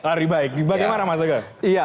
hari baik bagaimana mas soegong